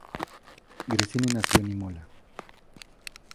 Gresini nació en Imola.